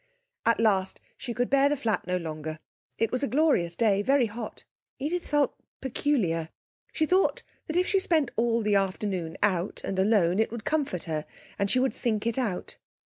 At last, she could bear the flat no longer. It was a glorious day, very hot, Edith felt peculiar. She thought that if she spent all the afternoon out and alone, it would comfort her, and she would think it out.